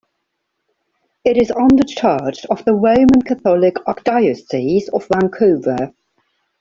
It is under charge of the Roman Catholic Archdiocese of Vancouver.